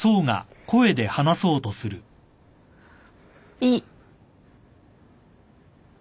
いい。